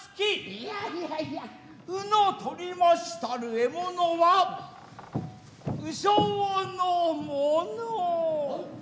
いやいやいや鵜の獲りましたる獲物は鵜匠のもの。